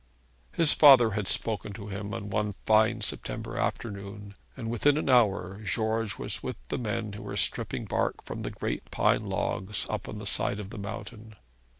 His father had spoken to him on one fine September afternoon, and within an hour George was with the men who were stripping bark from the great pine logs up on the side of the mountain.